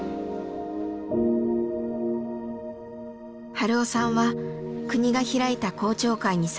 春雄さんは国が開いた公聴会に参加。